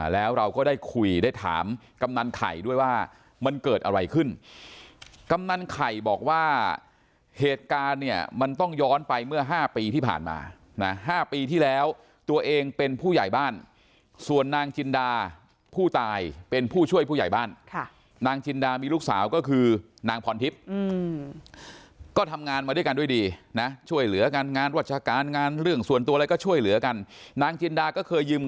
แล้วเราก็ได้คุยได้ถามกำนันไข่ด้วยว่ามันเกิดอะไรขึ้นกำนันไข่บอกว่าเหตุการณ์เนี่ยมันต้องย้อนไปเมื่อ๕ปีที่ผ่านมานะ๕ปีที่แล้วตัวเองเป็นผู้ใหญ่บ้านส่วนนางจินดาผู้ตายเป็นผู้ช่วยผู้ใหญ่บ้านค่ะนางจินดามีลูกสาวก็คือนางพรทิพย์ก็ทำงานมาด้วยกันด้วยดีนะช่วยเหลืองานงานราชการงานเรื่องส่วนตัวอะไรก็ช่วยเหลือกันนางจินดาก็เคยยืม